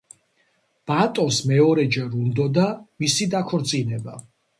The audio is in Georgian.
ბატონს მეორეჯერ უნდოდა მისი დაქორწინება.